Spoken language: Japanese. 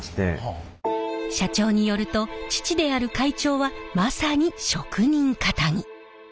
社長によると父である会長はまさに職人かたぎ。